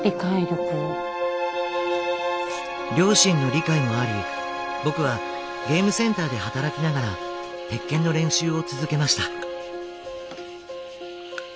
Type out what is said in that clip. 両親の理解もあり僕はゲームセンターで働きながら「鉄拳」の練習を続けました。